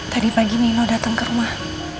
tadi pagi nino datang ke rumah